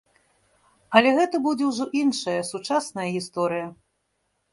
Але гэта будзе ўжо іншая, сучасная гісторыя.